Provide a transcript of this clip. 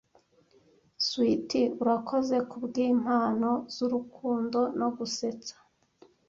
Sweetie, urakoze kubwimpano zurukundo no gusetsa